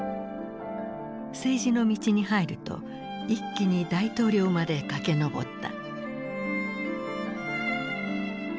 政治の道に入ると一気に大統領まで駆け上った。